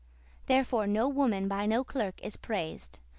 <32> Therefore no woman by no clerk is praised.